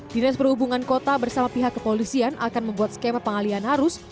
dinas perhubungan kota bersama pihak kepolisian akan membuat skema pengalian arus